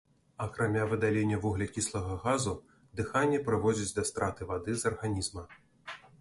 Акрамя выдалення вуглякіслага газу, дыханне прыводзіць да страты вады з арганізма.